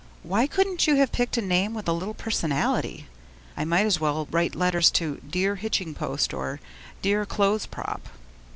Why couldn't you have picked out a name with a little personality? I might as well write letters to Dear Hitching Post or Dear Clothes Prop.